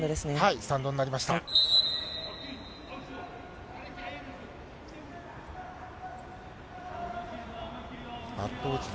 スタンドになりました。